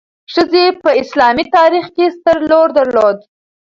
ښځې په اسلامي تاریخ کې ستر رول درلود.